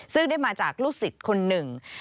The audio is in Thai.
ซึ่งได้มาจากลูกศิษย์คนหนึ่ง